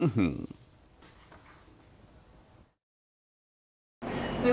อื้อฮืม